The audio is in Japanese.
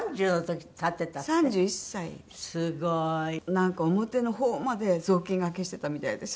なんか表の方まで雑巾がけしてたみたいです